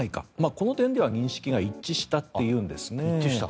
この点では認識が一致したというんですね。